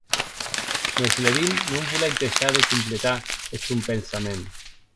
Mes Levin non volec deishar de completar eth sòn pensament.